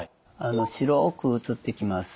白く写ってきます。